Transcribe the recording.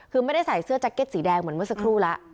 คือไม่ได้ใส่เสื้อแจ็คเก็ตสีแดงเหมือนเมื่อสักครู่แล้ว